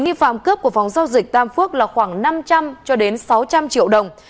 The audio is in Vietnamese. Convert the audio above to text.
nghi phạm cướp của phòng giao dịch tam phước là khoảng năm trăm linh sáu trăm linh triệu đồng